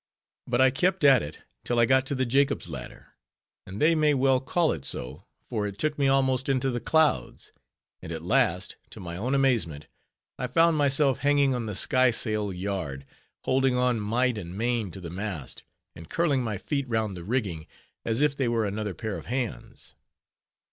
But I kept at it till I got to the Jacob's Ladder; and they may well call it so, for it took me almost into the clouds; and at last, to my own amazement, I found myself hanging on the skysail yard, holding on might and main to the mast; and curling my feet round the rigging, as if they were another pair of hands.